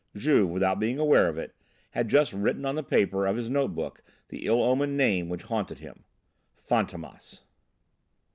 Juve, without being aware of it, had just written on the paper of his note book the ill omened name which haunted him. "Fantômas!"